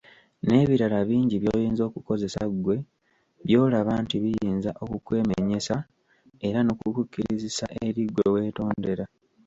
N’ebirala bingi by'oyinza okukozesa ggwe by'olaba nti biyinza okukwemenyesa era n'okukukkirizisa eri gwe weetondera.